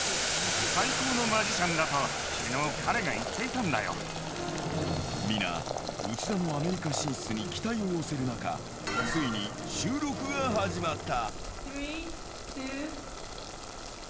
最高のマジシャンだときのう、皆、内田のアメリカ進出に期待を寄せる中、ついに収録が始まった。